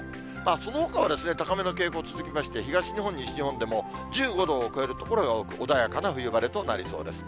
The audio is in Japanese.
そのほかは高めの傾向続きまして、東日本、西日本でも１５度を超える所が多く、穏やかな冬晴れとなりそうです。